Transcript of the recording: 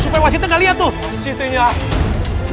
supaya wasitnya gak liat tuh